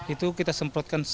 itu kita semprotkan semuanya